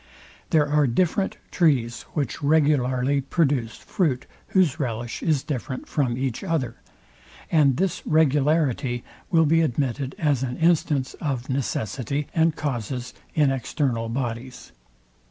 There are different trees, which regularly produce fruit, whose relish is different from each other; and this regularity will be admitted as an instance of necessity and causes in external bodies.